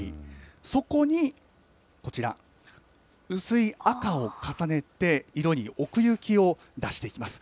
そこにこちら、薄い赤を重ねて、色に奥行きを出していきます。